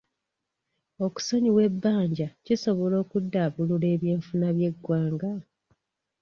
Okusonyiwa ebbanja kisobola okuddaabulula eby'enfuna by'eggwanga?